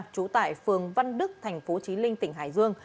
trú tại phường văn đức tp chí linh tỉnh hải dương